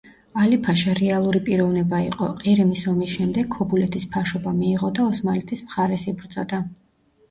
ალი-ფაშა რეალური პიროვნება იყო, ყირიმის ომის შემდეგ ქობულეთის ფაშობა მიიღო და ოსმალეთის მხარეს იბრძოდა.